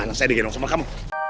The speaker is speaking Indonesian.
gak rela saya di gendong sama kamu